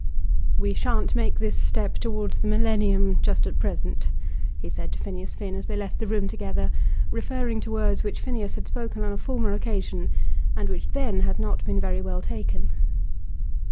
"We shan't make this step towards the millennium just at present," he said to Phineas Finn as they left the room together, referring to words which Phineas had spoken on a former occasion, and which then had not been very well taken.